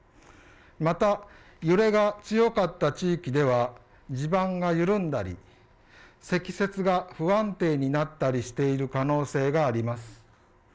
また揺れが強かった地域では地盤が緩んだり、積雪が不安定になったりしている可能性があります。